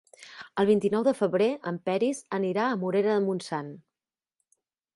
El vint-i-nou de febrer en Peris anirà a la Morera de Montsant.